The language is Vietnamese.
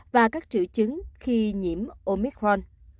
và các triệu chứng khi nhiễm omicron